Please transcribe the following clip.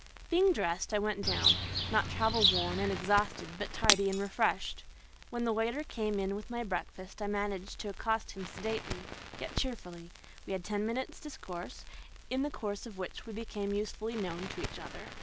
Being dressed, I went down; not travel worn and exhausted, but tidy and refreshed. When the waiter came in with my breakfast, I managed to accost him sedately, yet cheerfully; we had ten minutes' discourse, in the course of which we became usefully known to each other.